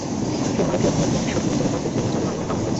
হে আমার প্রিয়তমের বংশীধ্বনি! তুমি পথ দেখিয়ে নিয়ে চল, আমি অনুগমন করছি।